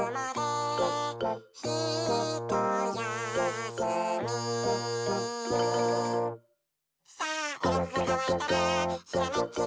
「ひとやすみ」「さあえのぐがかわいたらひらめきタイム」